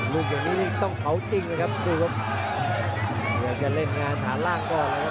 ลูกอย่างนี้ต้องเผาจริงเลยครับอยากจะเล่นงานฐานล่างก่อนครับ